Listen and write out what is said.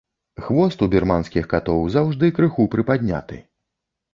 Хвост у бірманскіх катоў заўжды крыху прыпадняты.